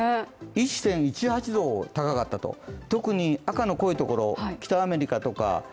１．１８度高かったと、特に赤の濃いところ、北アメリカとか、